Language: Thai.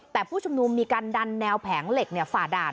แต่ผู้ชุมนุมมีการดันแนวแผงเหล็กฝ่าด่าน